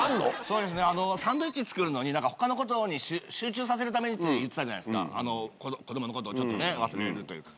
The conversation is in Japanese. サンドイッチ作るのに、なんかほかのことに集中させるためにって言ってたじゃないですか、子どものことを、ちょっとね、忘れるように。